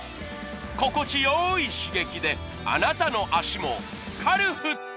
心地よい刺激であなたの脚もカルフット！